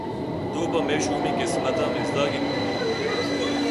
توپہ مئے شومیں قسمت ءَمستاگے بوتے